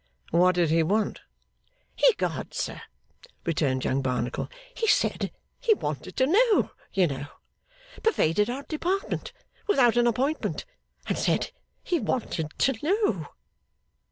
'What did he want?' 'Ecod, sir,' returned Young Barnacle, 'he said he wanted to know, you know! Pervaded our Department without an appointment and said he wanted to know!